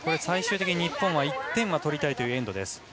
最終的に日本は１点は取りたいというエンドです。